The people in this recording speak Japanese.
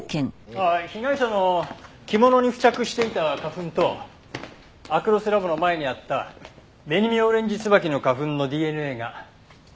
被害者の着物に付着していた花粉とアクロスラボの前にあったベニミョウレンジツバキの花粉のＤＮＡが一致しました。